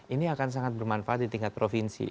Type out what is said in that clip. ini akan sangat bermanfaat di tingkat provinsi